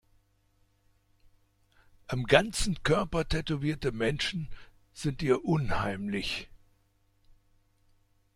Am ganzen Körper tätowierte Menschen sind ihr unheimlich.